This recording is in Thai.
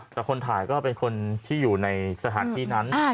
แต่คนถ่ายก็เป็นคนที่อยู่ในสถานที่นั้น